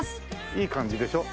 いい感じでしょ？